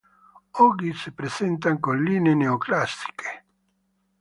Oggi si presenta con linee neoclassiche.